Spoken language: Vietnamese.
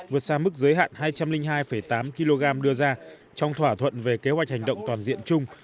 vượt xa mức giới hạn hai trăm linh hai tám kg đưa ra trong thỏa thuận về kế hoạch hành động toàn diện chung